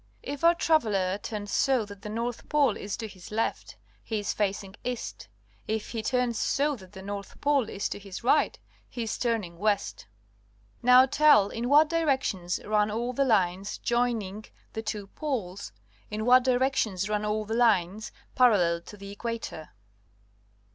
If our traveller turns so that the north pole is to his left, he is facing east. If he turns so that the north pole is to his right, he is looking west. Now tell in what directions run all the lines joining the two poles. In what direc tions run all lines parallel to the equator?